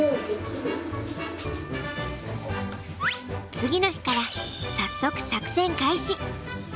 次の日から早速作戦開始。